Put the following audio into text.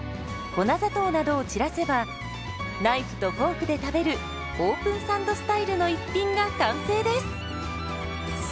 ナイフとフォークで食べるオープンサンドスタイルの一品が完成です。